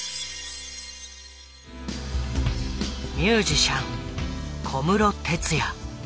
ミュージシャン小室哲哉。